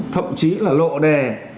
thậm chí là lộ đề